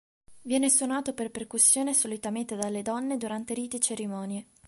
Viene suonato per percussione solitamente dalle donne durante riti e cerimonie.